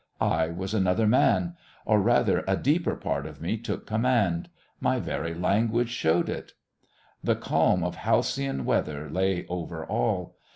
I was another man; or rather a deeper part of me took command. My very language showed it. The calm of halcyon weather lay over all.